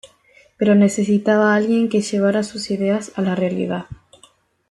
Pero necesitaba alguien que llevara sus ideas a la realidad.